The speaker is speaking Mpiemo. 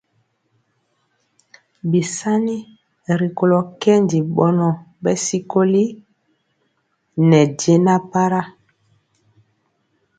Bisani rikolo kɛndi bɔnɔ bɛ sikoli ne jɛna para.